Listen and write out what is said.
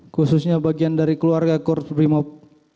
khususnya bagian dari keluarga kurs brimob